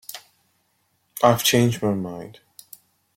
I’ve changed my mind